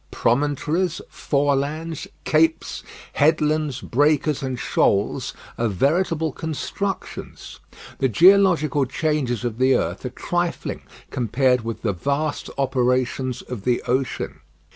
Promontories, forelands, capes, headlands, breakers, and shoals are veritable constructions. The geological changes of the earth are trifling compared with the vast operations of the ocean.